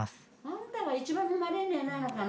あんたが一番飲まれるのやないのかな？